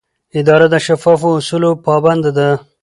اداره د شفافو اصولو پابنده ده.